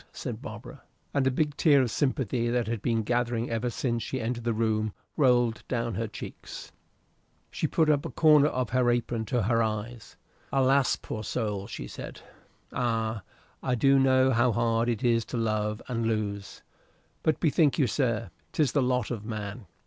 said Barbara, and a big tear of sympathy, that had been gathering ever since she entered the room, rolled down her cheeks. She put up a corner of her apron to her eyes. "Alas, poor soul!" said she. "Ay, I do know how hard it is to love and lose; but bethink you, sir, 'tis the lot of man.